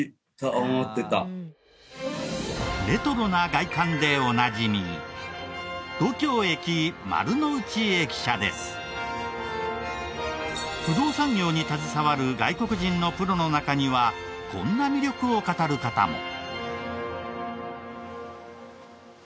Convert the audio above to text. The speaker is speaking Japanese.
レトロな外観でおなじみ不動産業に携わる外国人のプロの中にはこんな魅力を語る方も。